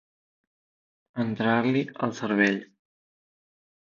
Entrar-li al cervell.